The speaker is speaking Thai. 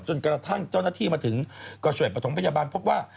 จนกระทั่งเจ้าหน้าที่มาถึงก็ช่วยประถมพยาบาลพบว่า